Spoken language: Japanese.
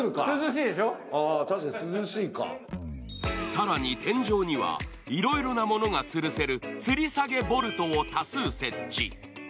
更に天井には、いろいろなものがつるせるつり下げボルトを多数設置。